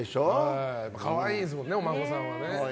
可愛いですもんね、お孫さんは。